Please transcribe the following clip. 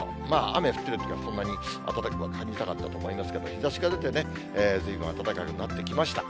雨降ってるときはそんなに暖かくは感じなかったと思いますけれども、日ざしが出てね、ずいぶん暖かくなってきました。